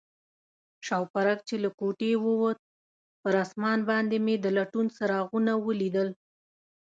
شوپرک چې له کوټې ووت، پر آسمان باندې مې د لټون څراغونه ولیدل.